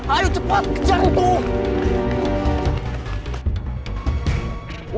ayo cepat kejar itu